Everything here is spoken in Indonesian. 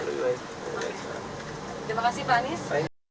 terima kasih pak anies